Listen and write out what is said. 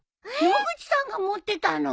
野口さんが持ってたの？